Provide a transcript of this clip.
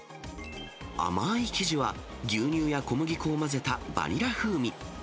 甘い生地は、牛乳や小麦粉を混ぜたバニラ風味。